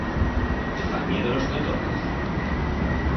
Te fan miedo los totons?